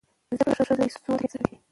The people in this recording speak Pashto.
زده کړه ښځه د پیسو مدیریت زده کوي.